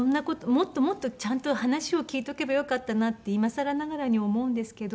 もっともっとちゃんと話を聞いておけばよかったなって今さらながらに思うんですけど。